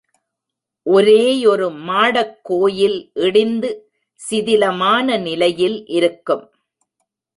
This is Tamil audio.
ஒரேயொரு மாடக்கோயில் இடிந்து சிதிலமான நிலையில் இருக்கும்.